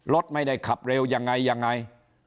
รถไม่ได้ขับเร็วยังไงยังไง